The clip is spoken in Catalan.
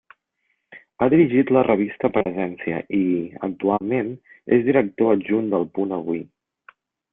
Ha dirigit la revista Presència i, actualment, és director adjunt d’El Punt Avui.